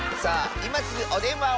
いますぐおでんわを！